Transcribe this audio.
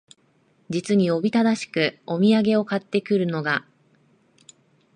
実におびただしくお土産を買って来るのが、